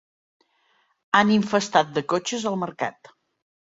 Han infestat de cotxes el mercat.